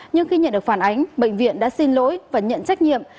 nhưng khi nhận được phản ánh bệnh viện đã xin lỗi và nhận trách nhiệm